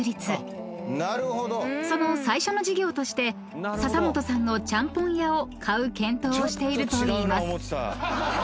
［その最初の事業として笹本さんのちゃんぽん屋を買う検討をしているといいます］